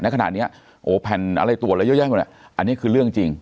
ขนาดเนี้ยโอ้แผ่นอะไรตรวจอะไรเยอะแยะหมดเนี่ยอันนี้คือเรื่องจริง